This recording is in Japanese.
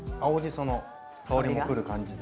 その香りもくる感じで。